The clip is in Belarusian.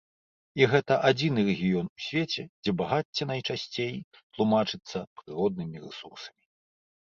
І гэта адзіны рэгіён у свеце, дзе багацце найчасцей тлумачыцца прыроднымі рэсурсамі.